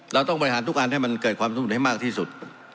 เราต้องบริหารทุกอันให้มันเกิดความสมดุลให้มากที่สุด